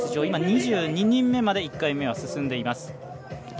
今、２２人目まで１回目は進んでいます。